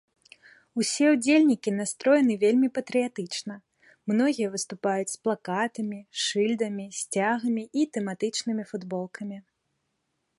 Усе ўдзельнікі настроены вельмі патрыятычна, многія выступаюць з плакатамі, шыльдамі, сцягамі і тэматычнымі футболкамі.